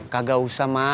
kagak usah mak